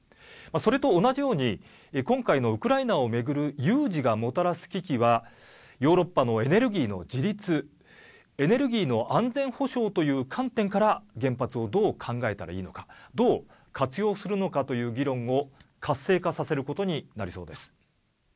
それと同じように今回のウクライナを巡る有事がもたらす危機はヨーロッパのエネルギーの自立エネルギーの安全保障という観点から原発をどう考えたらいいのかどう活用するのかという議論を活性化させることになりそうです。